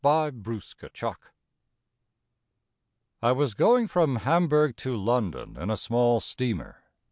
ON THE SEA I WAS going from Hamburg to London in a small steamer.